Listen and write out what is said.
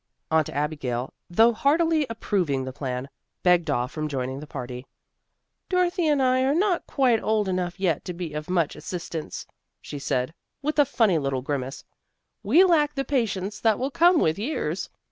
Aunt Abigail though heartily approving the plan, begged off from joining the party. "Dorothy and I are not quite old enough yet to be of much assistance," she said with a funny little grimace. "We lack the patience that will come with years."